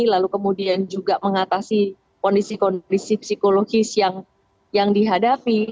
lalu kemudian juga mengatasi kondisi kondisi psikologis yang dihadapi